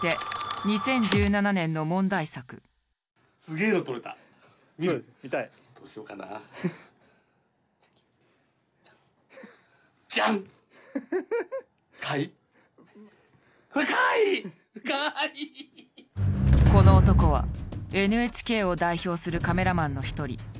この男はＮＨＫを代表するカメラマンの一人堀内一路。